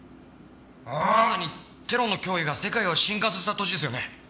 まさにテロの脅威が世界を震撼させた年ですよね。